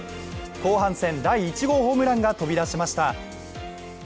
後半戦、第１号ホームランが飛び出しました。